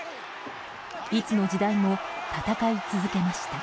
いつの時代も闘い続けました。